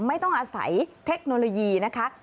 ไม่ต้องอาศัยเทคโนโลยีนะคะ